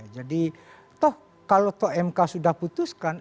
jadi kalau mk sudah putuskan